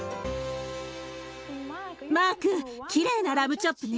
マークきれいなラムチョップね。